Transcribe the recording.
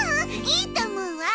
いいと思うわ。